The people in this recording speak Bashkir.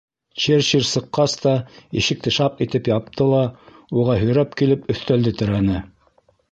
Черчилль сыҡҡас та ишекте шап итеп япты ла, уға һөйрәп килеп, өҫтәлде терәне.